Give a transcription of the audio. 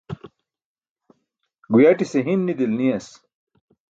Guyaṭise hiṅ nidilin niyas.